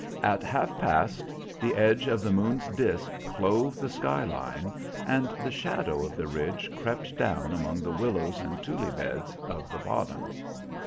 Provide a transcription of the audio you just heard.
At half past, the edge of the moon's disk clove the sky line, and the shadow of the ridge crept down among the willows and tule beds of the bottom.